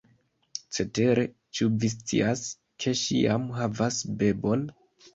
Cetere, ĉu vi scias, ke ŝi jam havas bebon?